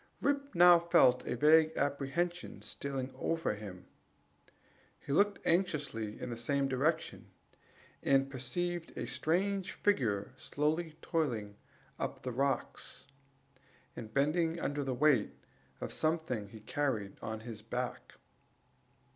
Rip now felt a vague apprehension stealing over him; he looked anxiously in the same direction, and perceived a strange figure slowly toiling up the rocks, and bending under the weight of something he carried on his back.